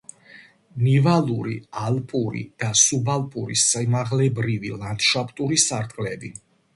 ნივალური, ალპური და სუბალპური სიმაღლებრივი ლანდშაფტური სარტყლები.